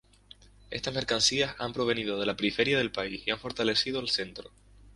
Estas mercancías han provenido de la periferia del país y han fortalecido al centro.